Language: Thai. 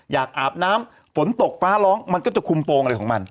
อาบน้ำฝนตกฟ้าร้องมันก็จะคุมโปรงอะไรของมัน